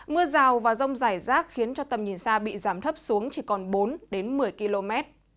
mưa rào và rông rải rác khiến cho tầm nhìn xa bị giảm thấp xuống chỉ còn bốn đến một mươi km